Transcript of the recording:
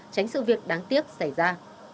tránh sự việc đáng tiếc xảy ra